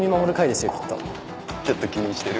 ちょっと気にしてる？